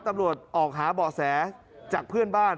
ตำรวจออกหาเบาะแสจากเพื่อนบ้าน